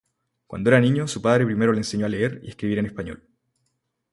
Cuando era niño, su padre primero le enseñó a leer y escribir en español.